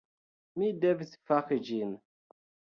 Mi devis fari ĝin.